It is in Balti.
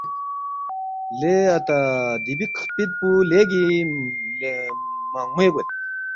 ”لے اتا دِیبِک خپِت پو لیگی منگموے گوید